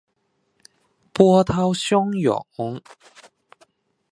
波涛汹涌